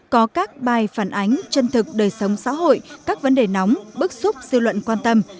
có các bài phản ánh chân thực đời sống xã hội các vấn đề nóng bức xúc dư luận quan tâm